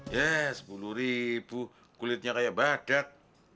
ya sepuluh ribu kulitnya kayak badak